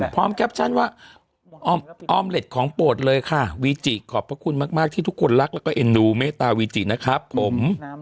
แคปชั่นว่าออมเล็ตของโปรดเลยค่ะวีจิขอบพระคุณมากที่ทุกคนรักแล้วก็เอ็นดูเมตตาวีจินะครับผม